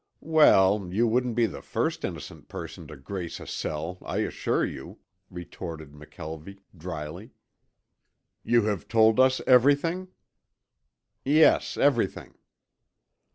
"Well, you wouldn't be the first innocent person to grace a cell, I assure you," retorted McKelvie dryly. "You have told us everything?" "Yes, everything."